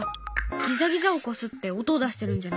ギザギザをこすって音を出してるんじゃない？